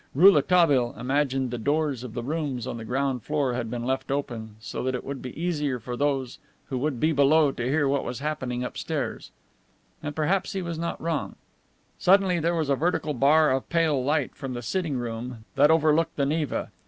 Rouletabille imagined that the doors of the rooms on the ground floor had been left open so that it would be easier for those who would be below to hear what was happening upstairs. And perhaps he was not wrong. Suddenly there was a vertical bar of pale light from the sitting room that overlooked the Neva.